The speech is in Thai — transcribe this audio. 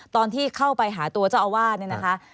ตอนที่เข้าไปหาตัวเจ้าอาวาส